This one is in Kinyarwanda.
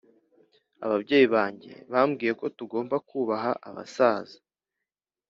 ababyeyi banjye bambwiye ko tugomba kubaha abasaza.